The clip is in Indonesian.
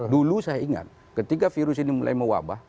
dulu saya ingat ketika virus ini mulai mewabah